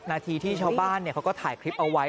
นาทีที่ชาวบ้านเขาก็ถ่ายคลิปเอาไว้